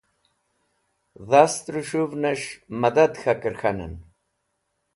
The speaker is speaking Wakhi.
Dhast rẽs̃hũvnẽs̃h mẽdad k̃hakẽr k̃hanẽn.